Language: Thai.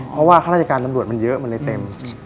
เพราะว่าข้าราชการตำรวจมันเยอะมันเลยเต็ม